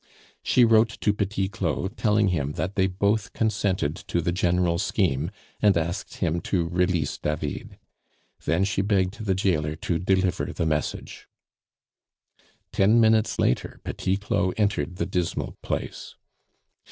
She wrote to Petit Claud telling him that they both consented to the general scheme, and asked him to release David. Then she begged the jailer to deliver the message. Ten minutes later Petit Claud entered the dismal place.